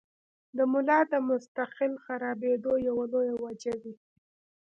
د ملا د مستقل خرابېدو يوه لويه وجه وي -